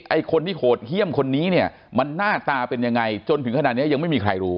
ไอ้คนที่โหดเยี่ยมคนนี้เนี่ยมันหน้าตาเป็นยังไงจนถึงขนาดนี้ยังไม่มีใครรู้